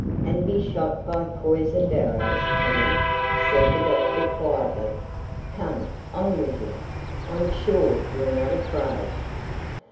"And be shot by poisoned arrows, Penny?" said the doctor quietly. "Come: on with you! I'm sure you're not afraid?"